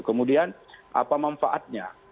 kemudian apa manfaatnya